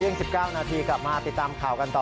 เชื่อง๑๙นาทีค่ะมาติดตามข่าวกันต่อ